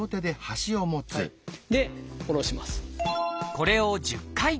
これを１０回。